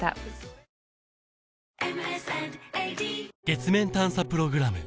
月面探査プログラム